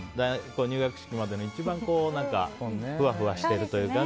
入学式までの一番ふわふわしてるというかね。